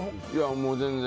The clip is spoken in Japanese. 全然。